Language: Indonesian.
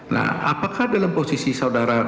nah apakah dalam posisi saudara